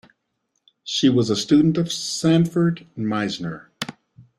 She was a student of Sanford Meisner.